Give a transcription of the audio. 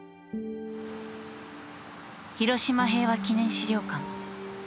広島平和記念資料館